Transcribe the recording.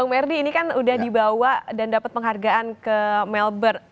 bung merdi ini kan udah dibawa dan dapat penghargaan ke melbourne